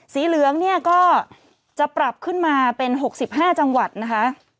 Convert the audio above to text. สีเหลืองเนี่ยก็จะปรับขึ้นมาเป็น๖๕จังหวัดนะคะ